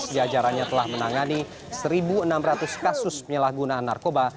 diajarannya telah menangani satu enam ratus kasus penyelahgunaan narkoba